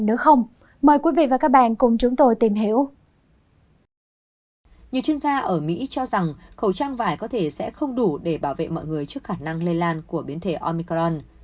nhiều chuyên gia ở mỹ cho rằng khẩu trang vải có thể sẽ không đủ để bảo vệ mọi người trước khả năng lây lan của biến thể omicron